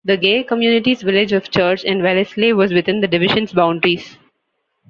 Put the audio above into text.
The gay community's village of Church and Wellesley was within the Division's boundaries.